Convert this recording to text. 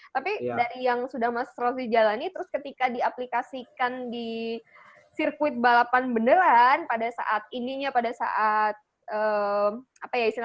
tapi dari yang sudah mas rozi jalani terus ketika diaplikasikan di sirkuit balapan beneran pada saat ininya pada saat apa ya istilahnya